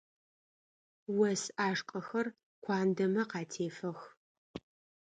Ос ӏашкӏэхэр куандэмэ къатефэх.